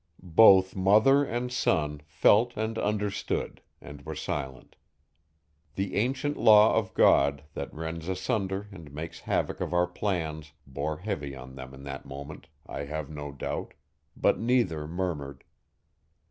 Both mother and son felt and understood and were silent. The ancient law of God, that rends asunder and makes havoc of our plans, bore heavy on them in that moment, I have no doubt, but neither murmured.